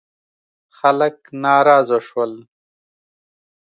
خلک ناراضه شول.